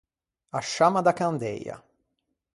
A sciamma da candeia.